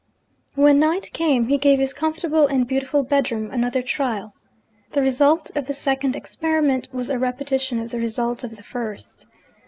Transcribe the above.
When night came, he gave his comfortable and beautiful bedroom another trial. The result of the second experiment was a repetition of the result of the first.